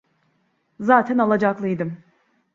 Zaten alacaklıydım.